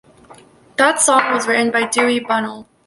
That song was written by Dewey Bunnell.